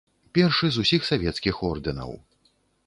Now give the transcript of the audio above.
Першы з усіх савецкіх ордэнаў.